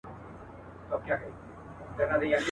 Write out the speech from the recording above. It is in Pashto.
چوروندوک چي هم چالاکه هم هوښیار دی.